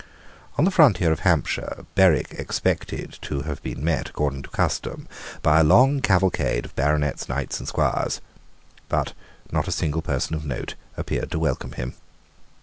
On the frontier of Hampshire Berwick expected to have been met, according to custom, by a long cavalcade of baronets, knights and squires: but not a single person of note appeared to welcome him.